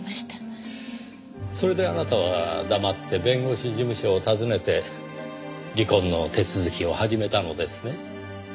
それであなたは黙って弁護士事務所を訪ねて離婚の手続きを始めたのですね？